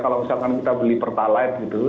kalau misalkan kita beli pertalite gitu